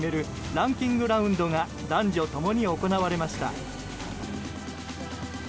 ランキングラウンドが男女共に行われました。